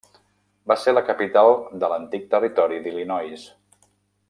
Va ser la capital de l'antic Territori d'Illinois.